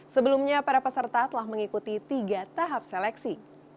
sebelumnya para peserta telah mengikuti tiga tahap seleksi